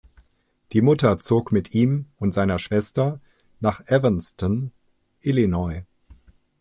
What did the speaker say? Die Mutter zog mit ihm und seiner Schwester nach Evanston, Illinois.